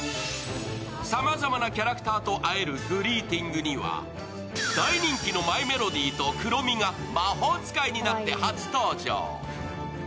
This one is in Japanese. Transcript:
さまざまなキャラクターと会えるグリーティングには大人気のマイメロディとクロミが魔法使いになって初登場。